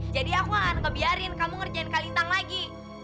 jadi aku akan ngebiarin kamu ngerjain kak lintang lagi